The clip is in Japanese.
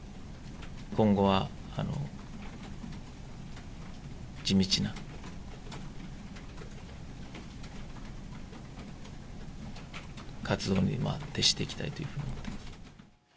今後は、地道な、活動に徹していきたいと思っています。